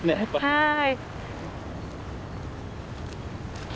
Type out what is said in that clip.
はい。